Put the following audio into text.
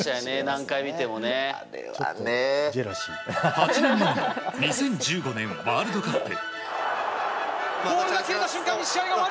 ８年前２０１５年ワールドカップ。